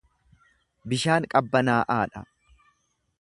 Bishaan qabbanaa’aa dha.